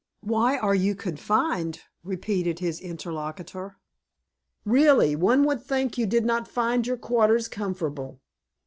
"Why are you confined?" repeated his interlocutor. "Really, one would think you did not find your quarters comfortable."